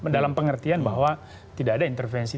dalam pengertian bahwa tidak ada intervensi